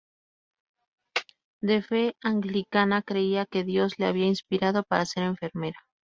De fe anglicana, creía que Dios la había inspirado para ser enfermera.